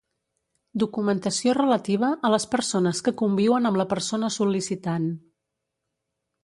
Documentació relativa a les persones que conviuen amb la persona sol·licitant.